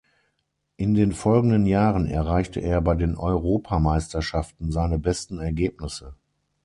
In den folgenden Jahren erreichte er bei den Europameisterschaften seine besten Ergebnisse.